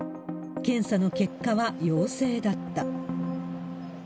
検査の結果は陽性だった。